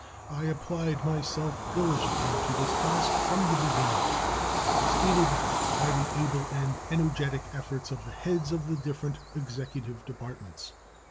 I applied myself diligently to this task from the beginning and was aided by the able and energetic efforts of the heads of the different Executive Departments.